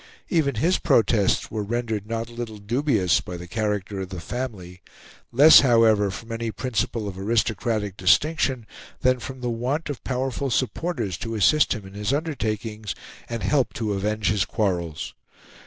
Even his protests were rendered not a little dubious by the character of the family, less however from any principle of aristocratic distinction than from the want of powerful supporters to assist him in his undertakings, and help to avenge his quarrels.